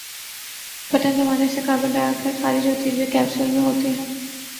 Button دبانے سے carbon dioxide خارج ہوتی ہے جو ایک کیپسول میں ہوتی ہے۔